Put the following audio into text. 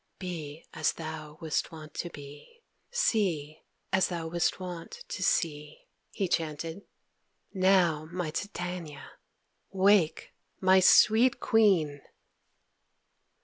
"Be as thou wast wont to be; See as thou wast wont to see!" he chanted. "Now, my Titania, wake, my sweet Queen!"